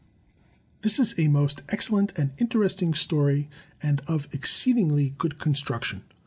This is a most excellent and interesting story and of exceed ingly good construction.